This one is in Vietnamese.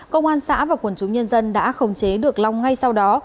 công an xã và quần chúng nhân dân đã khống chế được long ngay sau đó